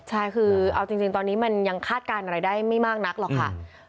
ใช่คือเอาจริงตอนนี้มันยังคาดการณ์อะไรได้ไม่มากนักหรอกค่ะ